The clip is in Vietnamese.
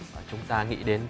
và chúng ta nghĩ đến